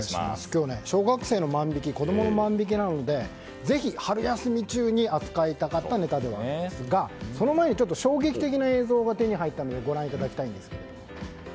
今日は小学生の子供子供の万引きなのでぜひ春休み中に扱いたかったネタではありますがその前に衝撃的な映像が手に入ったのでご覧いただきたいんですが。